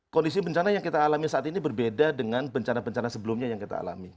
kondisi bencana yang kita alami saat ini berbeda dengan bencana bencana sebelumnya yang kita alami